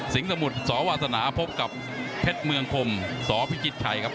สมุทรสวาสนาพบกับเพชรเมืองคมสพิจิตชัยครับ